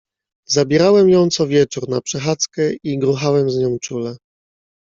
"Zabierałem ją co wieczór na przechadzkę i gruchałem z nią czule."